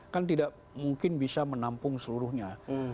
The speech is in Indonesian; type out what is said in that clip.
kan tidak mungkin bisa menampung seluruhnya